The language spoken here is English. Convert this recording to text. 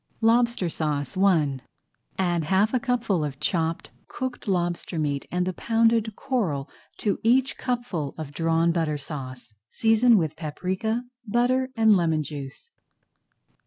LOBSTER SAUCE I Add half a cupful of chopped cooked lobster [Page 29] meat and the pounded coral to each cupful of Drawn Butter Sauce. Season with paprika, butter, and lemon juice.